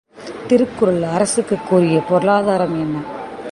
திருக்குறள் அரசுக்குக் கூறிய பொருளாதாரம் என்ன?